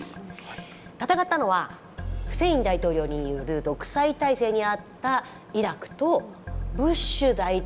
戦ったのはフセイン大統領による独裁体制にあったイラクとブッシュ大統領。